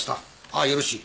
あーよろしい。